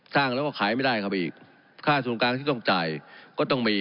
สร้างแล้วก็ขายไม่ได้ครับอีกค่าศูนย์การที่ต้องจ่ายก็ต้องมี